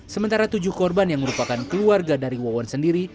sementara tujuh korban yang merupakan keluarga dari wawon sendiri